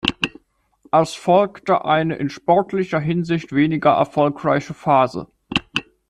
Es folgte eine in sportlicher Hinsicht weniger erfolgreiche Phase.